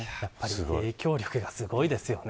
影響力がすごいですよ。